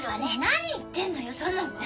何言ってんのよ園子！